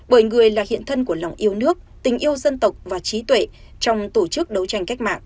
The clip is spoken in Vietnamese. bởi người là hiện thân của lòng yêu nước tình yêu dân tộc và trí tuệ